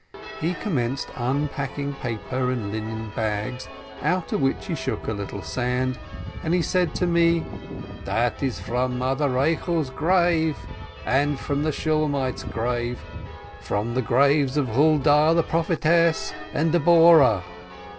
He commenced unpacking paper and linen bags, out of which he shook a little sand, and he said to me : "That is from Mother Rachel's grave, from the Shunammite's grave, from the graves of Huldah the prophetess and Deborah."